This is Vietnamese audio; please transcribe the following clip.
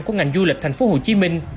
của ngành du lịch thành phố hồ chí minh